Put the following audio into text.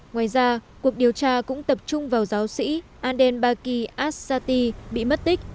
ngoài ra cuộc điều tra cũng tập trung vào giáo sĩ andenbaki asati bị mất tích